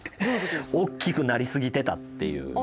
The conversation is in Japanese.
大きくなりすぎてたっていう。